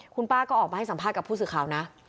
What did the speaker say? คุณป้าก็ออกมาให้สัมภาษณ์กับผู้สื่อข่าวนะ